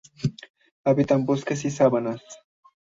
Habitan bosques y sabanas.